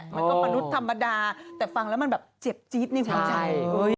มนุษย์ธรรมดาแต่ฟังแล้วมันแบบเจ็บจี๊ดในหัวใจ